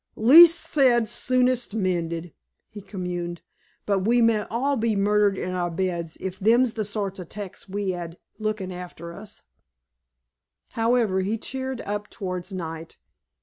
"Least said soonest mended," he communed, "but we may all be murdered in our beds if them's the sort of 'tecs we 'ave to look arter us." However, he cheered up towards night.